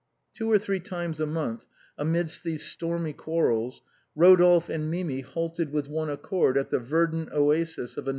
Two or three times a month, amidst these stormy quarrels, Rodolphe and Mimi halted with one accord at the verdant oasis of a night of love and sweet communion.